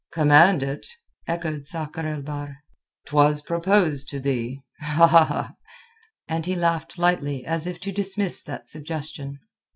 "Command it?" echoed Sakr el Bahr. "'Twas proposed to thee?" And he laughed lightly as if to dismiss that suggestion.